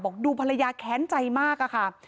ดูภรรยาแค้นใจมากอะค่ะ